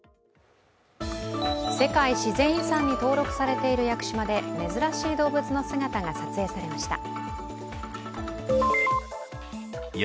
世界自然遺産に登録されている屋久島で珍しい動物の姿が撮影されました。